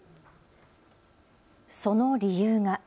その理由が。